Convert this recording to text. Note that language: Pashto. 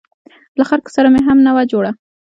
له خلکو سره مې هم نه وه جوړه.